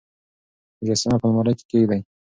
مجسمه په المارۍ کې کېږدئ.